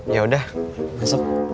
ya udah masuk